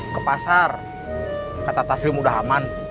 ke pasar kata taslim udah aman